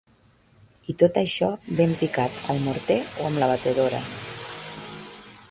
I tot això ben picat al morter o amb la batedora.